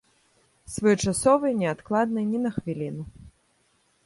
Своечасовай, неадкладнай ні на хвіліну.